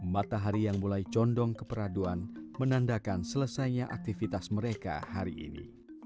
matahari yang mulai condong keperaduan menandakan selesainya aktivitas mereka hari ini